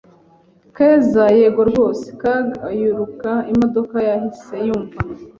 Keza: Yego rwose! Kaga ayururuka imodoka yahise yumva